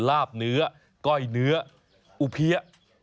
ลาบเนื้อก้อยเนื้ออุเพี้ย